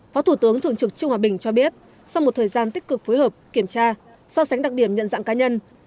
phó thủ tướng thường trực trương hòa bình cho biết sau một thời gian tích cực phối hợp kiểm tra so sánh đặc điểm nhận dạng cá nhân